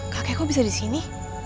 kakek kok bisa disini